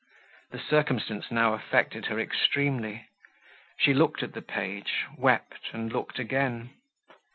The circumstance now affected her extremely; she looked at the page, wept, and looked again.